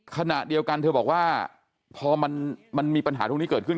ขณะเดียวกันเธอบอกว่าพอมันมีปัญหาตรงนี้เกิดขึ้น